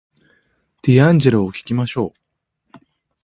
ディアンジェロを聞きましょう